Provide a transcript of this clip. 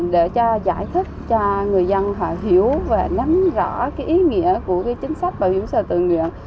để cho giải thích cho người dân họ hiểu và nắm rõ ý nghĩa của chính sách bảo hiểm xã hội tự nguyện